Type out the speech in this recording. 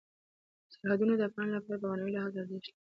سرحدونه د افغانانو لپاره په معنوي لحاظ ارزښت لري.